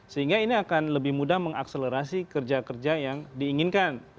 sehingga ini akan lebih mudah mengakselerasi kerja kerja yang diinginkan